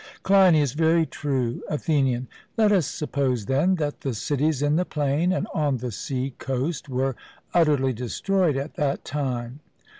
CLEINIAS: Very true. ATHENIAN: Let us suppose, then, that the cities in the plain and on the sea coast were utterly destroyed at that time.